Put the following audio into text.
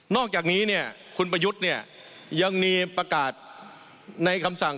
นอกจากนี้คุณประยุทธ์ยังมีประกาศในคำสั่ง